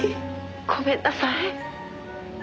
「ごめんなさい」